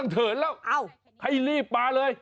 เถินแล้วให้รีบมาเลย